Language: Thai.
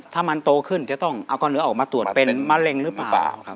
ถ้ามันโตขึ้นจะต้องเอาก้อนเนื้อออกมาตรวจเป็นมะเร็งหรือเปล่า